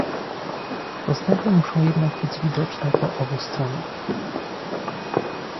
Postępy muszą jednak być widoczne po obu stronach